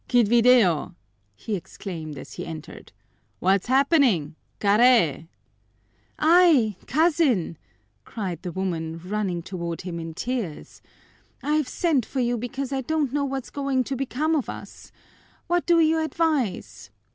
"Quid video?" he exclaimed as he entered. "What's happening? Quare?" "Ay, cousin!" cried the woman, running toward him in tears, "I've sent for you because I don't know what's going to become of us. What do you advise?